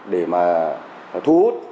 để mà thu hút